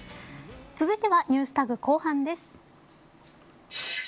続いてはＮｅｗｓＴａｇ後半です。